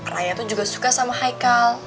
raya itu juga suka sama haikal